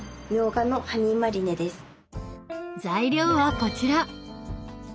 材料はこちら。